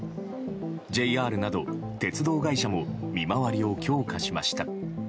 ＪＲなど鉄道会社も見回りを強化しました。